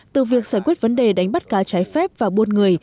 từ việc giải quyết vấn đề đánh bắt cá trái phép và buôn người